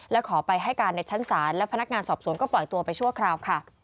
และขอไปให้การในชั้นศาลและพนักงานสอบสวนก็ปล่อยตัวไปชั่วคราวค่ะ